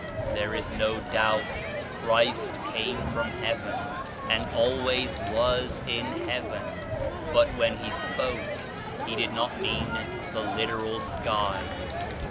There is no doubt Christ came from Heaven and always was in Heaven, but when He spoke He did not mean the literal sky.